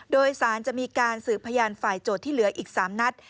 โดยสารจะมีการสืบพยานฝ่ายโจทย์ที่เหลืออีก๓นัด